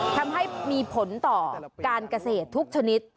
ทำให้มีผลต่อการเกษตรทุกชนิด